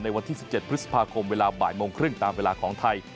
วันที่๑๗พฤษภาคมเวลาบ่ายโมงครึ่งตามเวลาของไทย